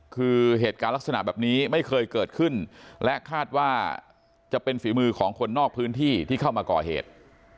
คือเหตุการณ์ลักษณะแบบนี้ไม่เคยเกิดขึ้นและคาดว่าจะเป็นฝีมือของคนนอกพื้นที่ที่เข้ามาก่อเหตุ